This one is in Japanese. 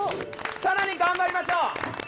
さらに頑張りましょう。